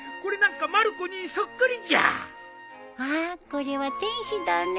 これは天使だね。